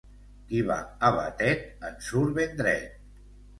Qui va a Batet en surt ben dret.